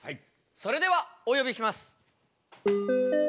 それではお呼びします。